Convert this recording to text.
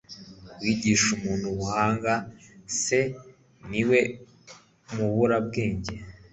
uwigisha muntu ubuhanga se, ni we mubura bwenge